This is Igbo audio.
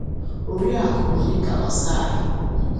Oriakụ Monica Osai